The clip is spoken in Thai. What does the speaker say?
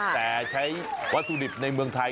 แต่ใช้วัตถุดิบในเมืองไทย